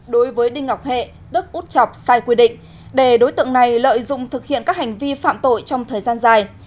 đối với đinh ngọc hệ tức út chọc sai quy định để đối tượng này lợi dụng thực hiện các hành vi phạm tội trong thời gian dài